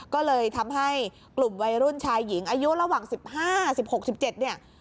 ก็เลยทำให้กลุ่มวัยรุ่นชายหญิงอายุระหว่าง๑๕๑๖๑๗เนี่ย